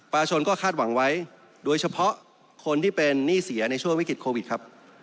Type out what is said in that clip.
ประชาชนก็คาดหวังไว้โดยเฉพาะคนที่เป็นหนี้เสียในช่วงวิกฤตโควิดครับ